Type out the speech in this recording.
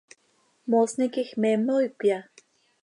¿Moosni quij me moiicöya?